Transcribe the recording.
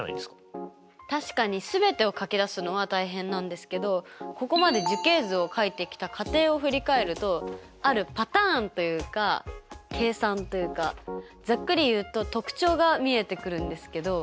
確かに全てを書き出すのは大変なんですけどここまで樹形図を書いてきた過程を振り返るとあるパターンというか計算というかざっくり言うと特徴が見えてくるんですけど。